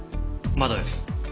まだです。